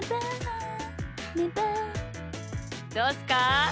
どうっすか？